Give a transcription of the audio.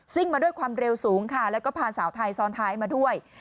มาด้วยความเร็วสูงค่ะแล้วก็พาสาวไทยซ้อนท้ายมาด้วย